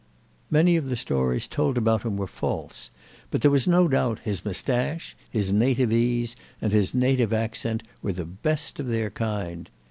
Many of the stories told about him were false; but there was no doubt his moustache, his native ease and his native accent were the best of their kind.